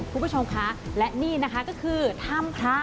คุณผู้ชมคะและนี่ก็คือถ้ำพระค่ะ